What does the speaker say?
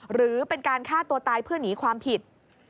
หรือเป็นการฆ่าตัวตายเพื่อหนีความผิด